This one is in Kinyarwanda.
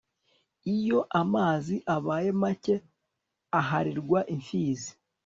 iyo amazi abaye make aharirwa impfizi